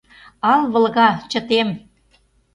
Ал вылга — чытем